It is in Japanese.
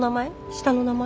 下の名前？